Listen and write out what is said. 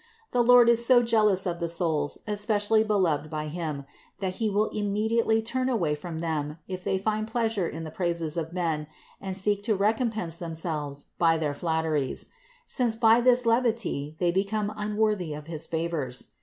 The Lord is so jealous of the souls especially beloved by Him, that He will immediately turn away from them if they find pleasure in the praises of men and seek to recompense themselves by their flatteries; since by this levity they become unworthy of his favors.